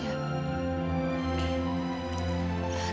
anda tak usah takut sayang